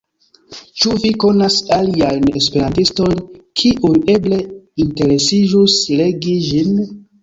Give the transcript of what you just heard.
Ĉu vi konas aliajn esperantistojn, kiuj eble interesiĝus legi ĝin?